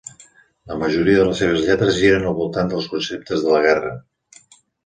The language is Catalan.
La majoria de les seves lletres giren al voltant dels conceptes de la guerra.